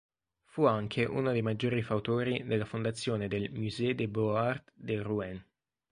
Fu anche uno dei maggiori fautori della fondazione del "Musée des beaux-arts de Rouen".